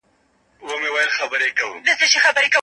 الله عزوجل لا يعني څه ندي نازل کړي.